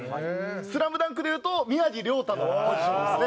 『ＳＬＡＭＤＵＮＫ』でいうと宮城リョータのポジションですね。